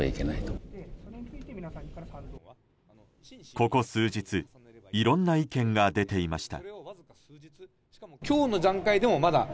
ここ数日いろんな意見が出ていました。